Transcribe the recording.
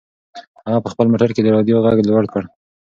هغه په خپل موټر کې د رادیو غږ لوړ کړ.